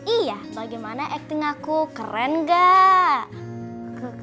iya bagaimana acting aku keren gak